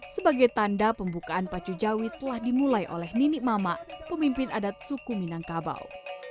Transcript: sebagai tanda pembukaan pacu jawi telah dimulai oleh nini mama pemimpin adat suku minangkabau